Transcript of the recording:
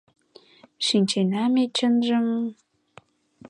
Шинчена ме чынжым...